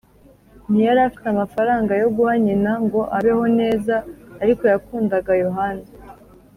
ntiyari afite amafaranga yo guha nyina ngo abeho neza; ariko yakundaga yohana,